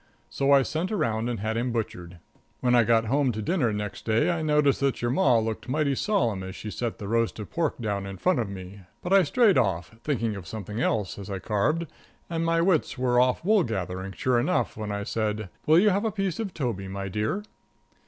So I sent around and had him butchered. When I got home to dinner next day, I noticed that your Ma looked mighty solemn as she set the roast of pork down in front of me, but I strayed off, thinking of something else, as I carved, and my wits were off wool gathering sure enough when I said: "Will you have a piece of Toby, my dear?"